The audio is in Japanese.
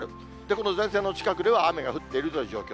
この前線の近くでは雨が降っているという状況。